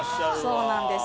そうなんです。